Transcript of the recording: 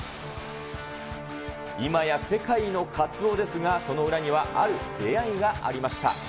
今や世界のカツオですが、その裏にはある出会いがありました。